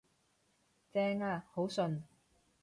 正呀，好順